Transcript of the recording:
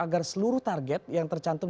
agar seluruh target yang tercantum